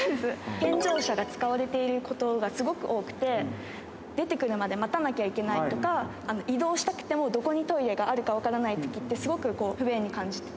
健常者が使われてることがすごく多くて、出てくるまで待たなきゃいけないとか、移動したくても、どこにトイレがあるか分からないときって、すごくこう、不便に感じて。